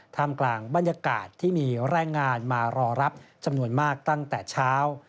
กลางบรรยากาศที่มีแรงงานมารอรับจำนวนมากตั้งแต่เช้า